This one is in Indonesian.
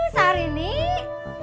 aduh sari nek